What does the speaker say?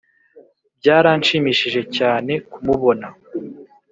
byaranshimishije cyane kumubona!”